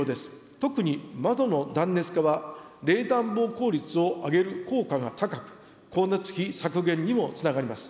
特に窓の断熱化は冷暖房効率を上げる効果が高く、光熱費削減にもつながります。